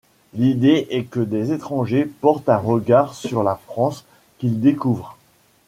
L'idée est que des étrangers portent un regard sur la France qu'ils découvrent.